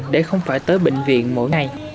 để không phải tới bệnh viện mỗi ngày